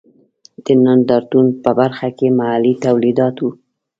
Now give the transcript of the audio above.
د نندارتون په برخه کې محلي تولیدات و.